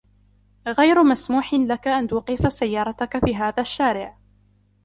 غير مسموح لك أن توقف سيارتك في هذا الشارع.